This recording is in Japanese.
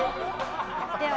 では